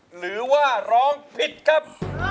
หรือว่าร้องผิดครับ